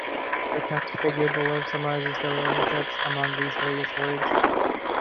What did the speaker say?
The text-figure below summarizes the relationships among these various words.